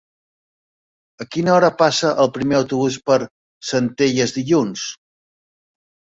A quina hora passa el primer autobús per Centelles dilluns?